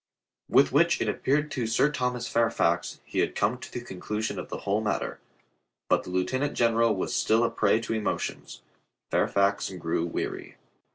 With which it appeared to Sir Thomas Fairfax, he had come to the con clusion of the whole matter. But the lieutenant general was still a prey to emotions. Fairfax grew weary.